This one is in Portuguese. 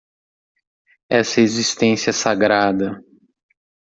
Essa existência sagrada